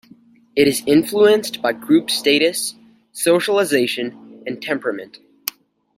It is influenced by group status, socialization, and temperament.